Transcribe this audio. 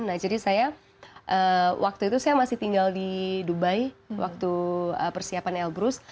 nah jadi saya waktu itu saya masih tinggal di dubai waktu persiapan elbrus